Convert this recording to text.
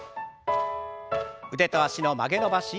腕と脚の曲げ伸ばし。